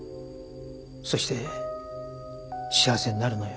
そして幸せになるのよ。